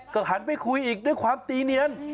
ก็หันไปคุยอีกด้วยความตีเนียน